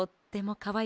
かわいい！